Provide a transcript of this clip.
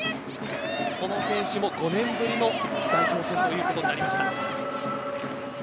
この選手も５年ぶりの代表戦ということになりました。